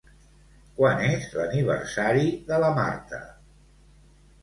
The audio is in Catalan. Quan és l'aniversari de la Marta?